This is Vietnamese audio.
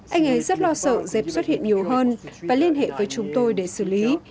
anh ấy rất lo sợ dẹp xuất hiện nhiều hơn và liên hệ với chúng tôi để xử lý